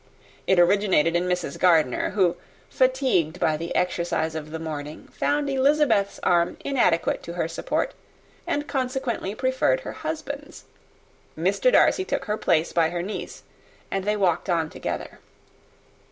It originated in Mrs. Gardiner, who, fatigued by the exercise of the morning, found Elizabeth's arm inadequate to her support, and consequently preferred her husband's. Mr. Darcy took her place by her niece, and they walked on together.